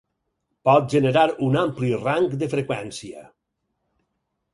Pot generar un ampli rang de freqüència.